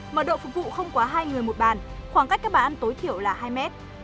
mật độ phục vụ không quá hai người một bàn khoảng cách các bàn ăn tối thiểu là hai mét